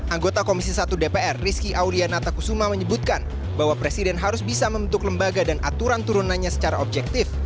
anggota komisi satu dpr rizky aulia natakusuma menyebutkan bahwa presiden harus bisa membentuk lembaga dan aturan turunannya secara objektif